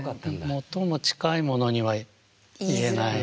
最も近いものには言えない。